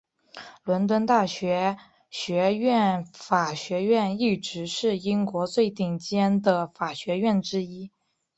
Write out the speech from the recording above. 伦敦大学学院法学院一直是英国最顶尖的法学院之一。